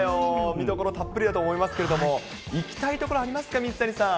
見どころたっぷりだと思いますけれども、行きたい所ありますか、水谷さん。